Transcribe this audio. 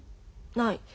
ない。